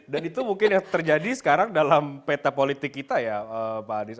dan itu mungkin yang terjadi sekarang dalam peta politik kita ya pak hadis